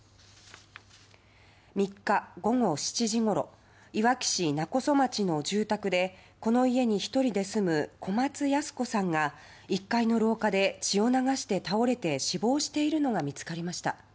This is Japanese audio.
３日午後７時ごろいわき市勿来町の住宅でこの家に１人で住む小松ヤス子さんが１階の廊下で血を流して倒れて死亡しているのが見つかりました。